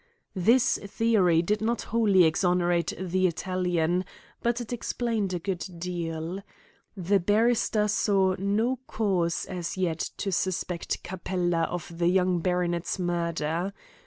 This theory did not wholly exonerate the Italian, but it explained a good deal. The barrister saw no cause as yet to suspect Capella of the young baronet's murder.